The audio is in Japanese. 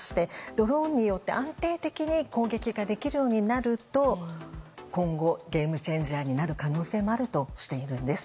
ドローンによって、安定的に攻撃ができるようになると今後、ゲームチェンジャーになる可能性もあるとしているんです。